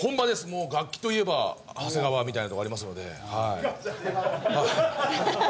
もう楽器といえば長谷川みたいなとこありますので。